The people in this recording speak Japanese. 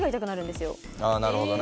ああなるほどね。